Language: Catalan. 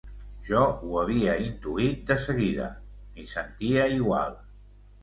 Jo ho havia intuït de seguida; m'hi sentia igual...